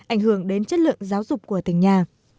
ảnh hưởng đến chất lượng giáo dục của tỉnh nhà